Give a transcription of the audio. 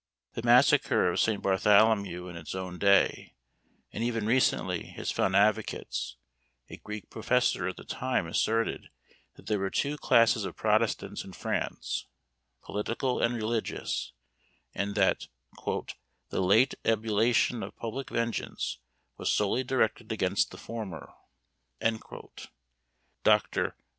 The massacre of St. Bartholomew in its own day, and even recently, has found advocates; a Greek professor at the time asserted that there were two classes of protestants in France political and religious; and that "the late ebullition of public vengeance was solely directed against the former." Dr.